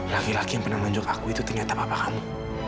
laki laki yang pernah nunjuk aku itu ternyata bapak kamu